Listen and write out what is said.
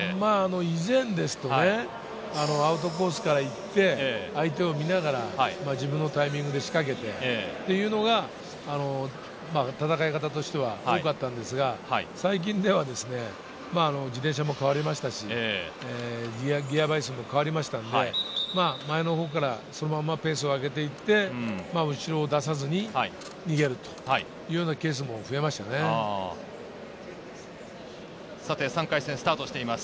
以前ですと、アウトコースから行って、相手を見ながら自分のタイミングで仕掛けてというのが、戦い方としては多かったんですが最近では、自転車も変わりましたし、ギア倍数も変わりましたので、前のほうからそのままペースを上げて行って後ろを出さずに、逃げるというようなケースも増え３回戦スタートしています。